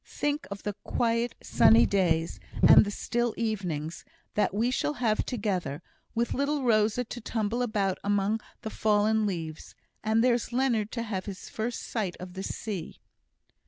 Think of the quiet, sunny days, and the still evenings, that we shall have together, with little Rosa to tumble about among the fallen leaves; and there's Leonard to have his first sight of the sea."